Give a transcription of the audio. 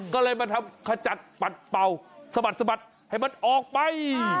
ก็เลยมาทำขจัดปัดเป่าสะบัดสะบัดให้มันออกไป